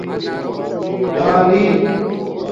ڈالی